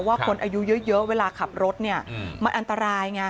คนอายุเยอะเวลาขับรถเนี่ยมันอันตรายไง